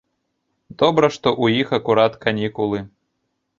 Добра, што ў іх акурат канікулы.